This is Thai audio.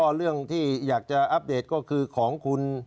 เรื่องที่อยากจะอัปเดตก็คือของคุณ